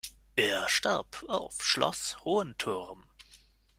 Er starb auf Schloss Hohenthurm.